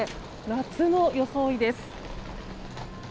夏の装いです。